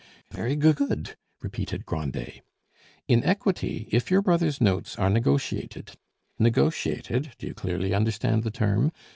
"Very g good," repeated Grandet. "In equity, if your brother's notes are negotiated negotiated, do you clearly understand the term?